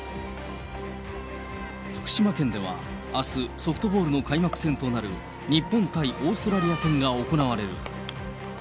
福島県ではあす、ソフトボールの開幕戦となる日本対オーストラリア戦が行われる。